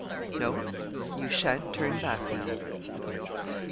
'No you sha'n't turn back now.'